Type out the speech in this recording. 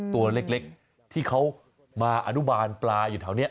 ตัวเล็กที่เขามาอนุบาลปลาอยู่แถวนี้